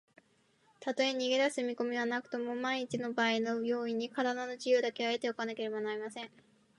たとえ逃げだす見こみはなくとも、まんいちのばあいの用意に、からだの自由だけは得ておかねばなりません。